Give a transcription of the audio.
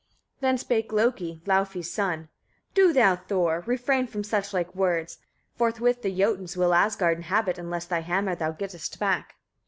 19. Then spake Loki, Laufey's son: "Do thou, Thor! refrain from suchlike words: forthwith the Jotuns will Asgard inhabit, unless thy hammer thou gettest back."